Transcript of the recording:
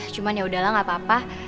cuman yaudahlah gak apa apa